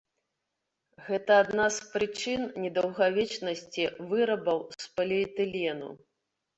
Гэта адна з прычын недаўгавечнасці вырабаў з поліэтылену.